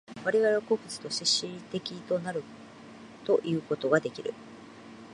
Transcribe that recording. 我々は個物的として思惟的となるということができる。